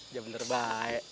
dia bener baik